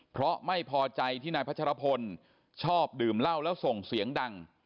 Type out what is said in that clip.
เพราะไม่พอใจที่นายพัชรพลชอบดื่มเหล้าแล้วส่งเสียงดัง